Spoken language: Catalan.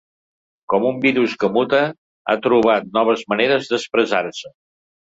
Com un virus que muta, ha trobat noves maneres d’expressar-se.